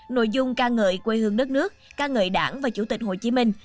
nội dung ca ngợi quê hương đất nước ca ngợi đảng và chủ tịch hồ chí minh